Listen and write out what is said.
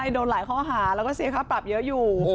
โดนหลายข้อหาแล้วก็เสียค่าปรับเยอะอยู่